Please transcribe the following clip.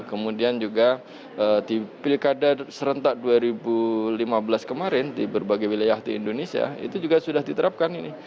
kemudian juga di pilkada serentak dua ribu lima belas kemarin di berbagai wilayah di indonesia itu juga sudah diterapkan ini